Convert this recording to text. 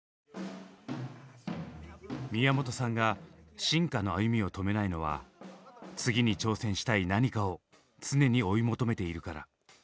宮本さんが進化の歩みを止めないのは次に挑戦したい何かを常に追い求めているから。